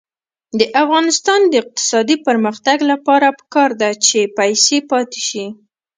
د افغانستان د اقتصادي پرمختګ لپاره پکار ده چې پیسې پاتې شي.